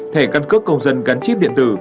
thể căn cước công dân gắn chip điện tử